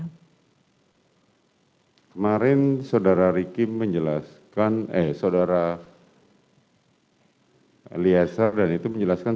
kemarin saudara riki menjelaskan eh saudara eliezer dan itu menjelaskan